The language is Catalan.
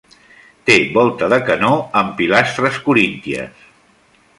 Té volta de canó amb pilastres corínties.